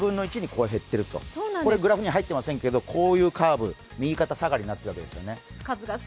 これグラフには入っていませんけれども、こういうカーブ、右肩下がりになってるわけですね。